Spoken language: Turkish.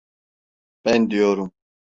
Ben diyorum.